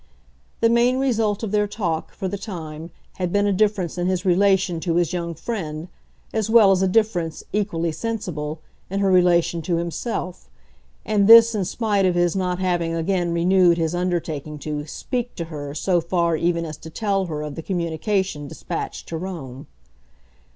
The main result of their talk, for the time, had been a difference in his relation to his young friend, as well as a difference, equally sensible, in her relation to himself; and this in spite of his not having again renewed his undertaking to "speak" to her so far even as to tell her of the communication despatched to Rome.